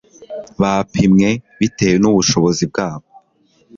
Bapimwe bitewe nubushobozi bwabo